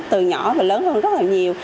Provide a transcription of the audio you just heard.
từ nhỏ và lớn hơn rất là nhiều